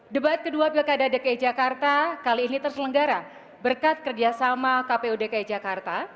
debat kedua pilkada dki jakarta kali ini terselenggara berkat kerjasama kpu dki jakarta